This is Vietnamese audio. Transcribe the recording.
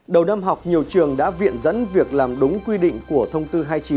đầu năm học nhiều trường đã viện dẫn việc làm đúng quy định của thông tư hai mươi chín